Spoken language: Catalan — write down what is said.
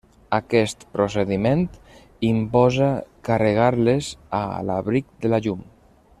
Aquest procediment imposa carregar-les a l'abric de la llum.